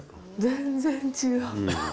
全然違う。